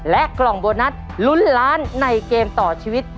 กล่องโบนัสลุ้นล้านในเกมต่อชีวิต